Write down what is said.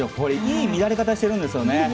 いい乱れ方をしているんです。